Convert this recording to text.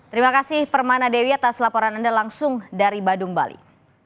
terima kasih permana dewi atas laporan anda langsung dari badung bali